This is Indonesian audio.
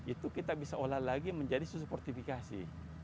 itu kita bisa olah lagi menjadi susu portifikasi